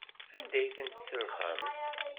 Anda ay ten-tselxemt?